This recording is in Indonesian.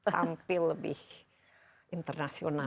tampil lebih internasional